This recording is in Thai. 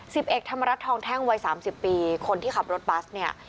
สิบเอกธรรมรัฐทองแท่งวัยสามสิบปีคนที่ขับรถบัสเนี่ย